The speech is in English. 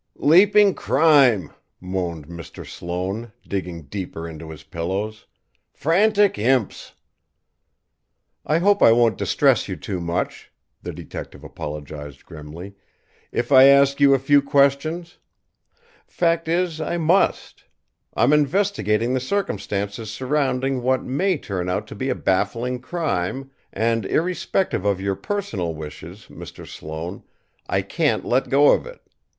"Leaping crime!" moaned Mr. Sloane, digging deeper into the pillows, "Frantic imps!" "I hope I won't distress you too much," the detective apologized grimly, "if I ask you a few questions. Fact is, I must. I'm investigating the circumstances surrounding what may turn out to be a baffling crime, and, irrespective of your personal wishes, Mr. Sloane, I can't let go of it.